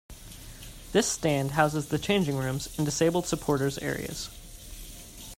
This stand houses the changing rooms and disabled supporters' areas.